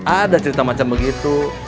ada cerita macam begitu